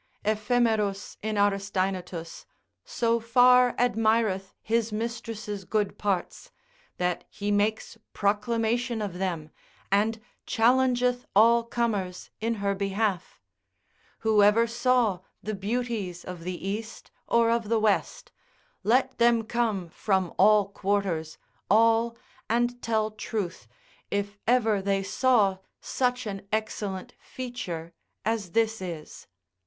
Ephemerus in Aristaenetus, so far admireth his mistress' good parts, that he makes proclamation of them, and challengeth all comers in her behalf. Whoever saw the beauties of the east, or of the west, let them come from all quarters, all, and tell truth, if ever they saw such an excellent feature as this is.